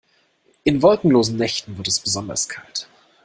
In wolkenlosen Nächten wird es besonders kalt.